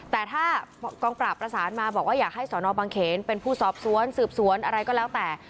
แต่ถ้ากองปราบประสานมาบอกว่าอยากให้สอนอบังเขนเป็นผู้สอบสวนสืบสวนอะไรก็แล้วแต่